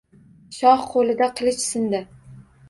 Shoh qo’lida qilich sindi